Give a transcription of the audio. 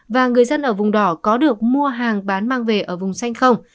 và người dân ở vùng đỏ có được mua hàng bán mang về ở vùng xanh không